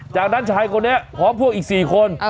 จากนั้นชายคนนี้พร้อมพวกอีก๔คน